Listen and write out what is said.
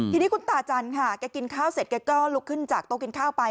ทีนี้คุณตาจันทร์ค่ะแกกินข้าวเสร็จแกก็ลุกขึ้นจากโต๊ะกินข้าวไป